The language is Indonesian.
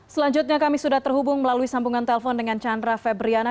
selanjutnya kami sudah terhubung melalui sambungan telpon dengan chandra febriana